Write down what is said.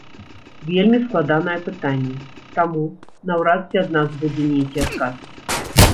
Вельмі складанае пытанне, таму наўрад ці ад нас будзе нейкі адказ.